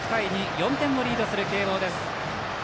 ４点をリードする慶応です。